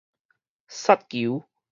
殺球